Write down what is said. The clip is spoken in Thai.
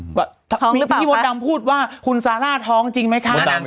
อืออะโท้งหรือเปล่าพี่โจมติดักพูดว่าคุณสาล่าท้องจริงไหมค่ะ